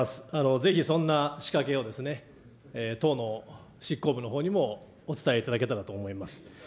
ぜひそんな仕掛けを党の執行部のほうにもお伝えいただけたらと思います。